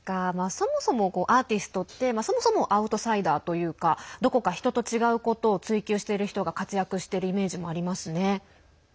そもそもアーティストってそもそもアウトサイダーというかどこか人と違うことを追求している人が活躍してるイメージもありますね。